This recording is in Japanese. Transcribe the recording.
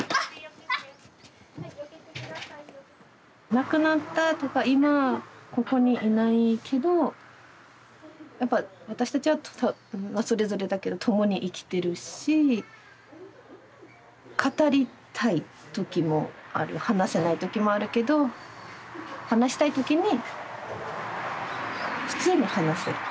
亡くなったとか今ここにいないけどやっぱ私たちはそれぞれだけど共に生きてるし語りたい時もある話せない時もあるけど話したい時に普通に話す。